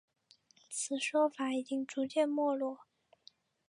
此说法已经逐渐没落。